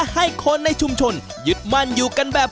ให้คนในชุมชนยึดมั่นอยู่กันแบบ